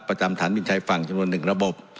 ประจำฐานบินชายฝั่งจำนวน๑ระบบ